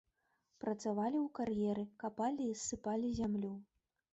Працавалі ў кар'еры, капалі і ссыпалі зямлю.